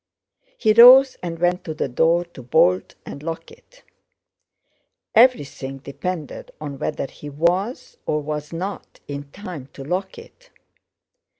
He rose and went to the door to bolt and lock it. Everything depended on whether he was, or was not, in time to lock it.